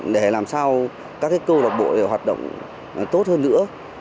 để làm sao các câu lạc bộ hoạt động tốt hơn nữa